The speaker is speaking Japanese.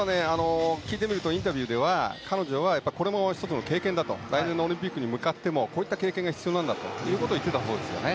ただ、インタビューでは彼女はこれも１つの経験だと来年のオリンピックに向かってもこういった経験が必要だと言ってたそうですよね。